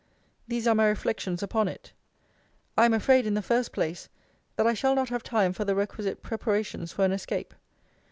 These are my reflections upon it. I am afraid, in the first place, that I shall not have time for the requisite preparations for an escape.